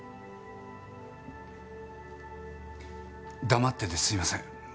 黙っててすいません。